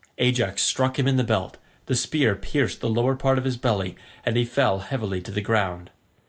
Ajax struck him in the belt; the spear pierced the lower part of his belly, and he fell heavily to the ground.